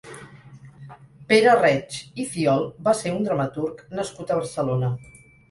Pere Reig i Fiol va ser un dramaturg nascut a Barcelona.